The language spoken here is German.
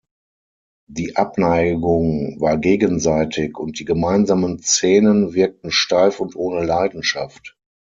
Die Abneigung war gegenseitig und die gemeinsamen Szenen wirkten steif und ohne Leidenschaft.